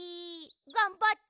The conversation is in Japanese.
がんばって！